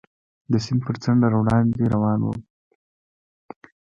د سیند پر څنډه وړاندې روان ووم.